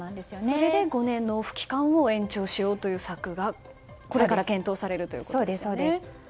それで５年、納付期間を延長しようという策がこれから検討されるということですね。